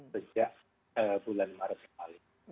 sejak bulan maret kembali